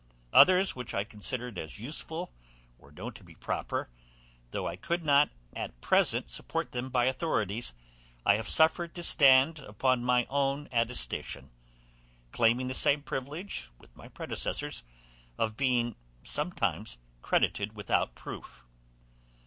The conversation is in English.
Others, which I considered as useful, or know to be proper, though I could not at present support them by authorities, I have suffered to stand upon my own attestation, claiming the same privilege with my predecessors of being sometimes credited without proof.